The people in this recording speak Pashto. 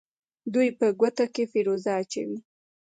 دوی په ګوتو کې فیروزه اچوي.